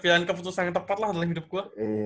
biarin keputusan yang tepat lah dalam hidup gue